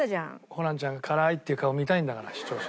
ホランちゃんが「辛ーい！」って言う顔見たいんだから視聴者。